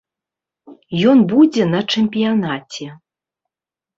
Ён будзе на чэмпіянаце.